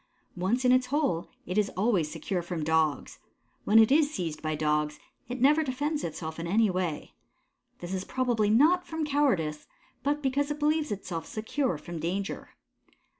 Once in its hole, it is always secure from Dogs. When it is seized by Dogs, it never defends itself in any way. This is probably not from cowardice, but because it believes itself secure from danger.